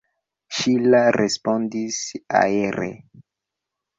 Ŝila respondis aere.